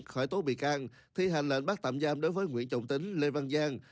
khởi tố bị can thi hành lệnh bắt tạm giam đối với nguyễn trọng tính lê văn giang